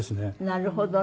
なるほどね。